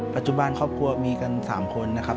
ปัจจุบันครอบครัวมีกัน๓คนนะครับ